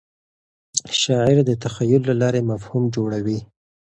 شاعر د تخیل له لارې مفهوم جوړوي.